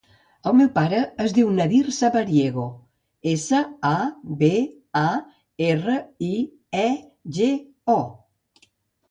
El meu pare es diu Nadir Sabariego: essa, a, be, a, erra, i, e, ge, o.